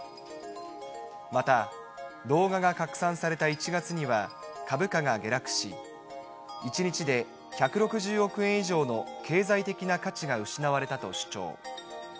また、動画が拡散された１月には株価が下落し、１日で１６０億円以上の経済的な価値が失われたと主張。